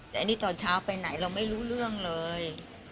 แต่อันนี้ตอนเช้าไปไหนเราไม่รู้เรื่องเลย